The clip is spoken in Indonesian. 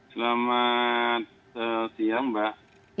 selamat siang mbak